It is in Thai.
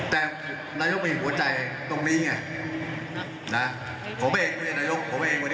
แต่นายุ่งมีหัวใจออกตรงนี้เหรอ